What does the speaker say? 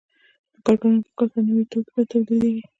د کارګرانو په کار سره نوي توکي تولیدېږي